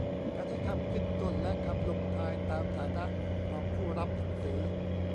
การใช้คำขึ้นต้นและคำลงท้ายตามฐานะของผู้รับหนังสือ